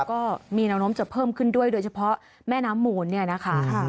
ก็มีแนวโน้มจะเพิ่มขึ้นด้วยโดยเฉพาะแม่น้ำมูลเนี่ยนะคะ